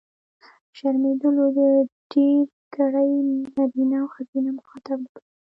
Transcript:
شرمېدلو! د ډېرګړي نرينه او ښځينه مخاطب لپاره.